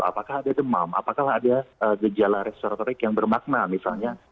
apakah ada demam apakah ada gejala restoratorik yang bermakna misalnya